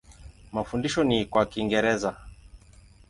Mafundisho ni kwa Kiingereza.